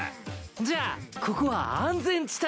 じゃあここは安全地帯！